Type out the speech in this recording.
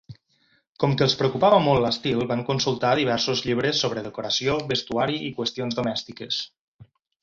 Com que els preocupava molt l'estil, van consultar diversos llibres sobre decoració, vestuari i qüestions domèstiques.